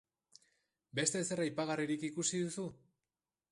Beste ezer aipagarririk ikusi duzu?